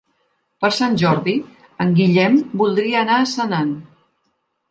Per Sant Jordi en Guillem voldria anar a Senan.